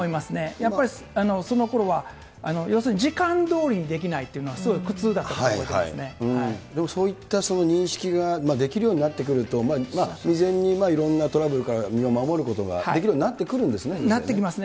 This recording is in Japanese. やっぱりそのころは、要するに時間どおりにできないというのがすごい苦痛だったの覚えでもそういった認識ができるようになってくると、未然にいろんなトラブルから身を守ることがなってきますね。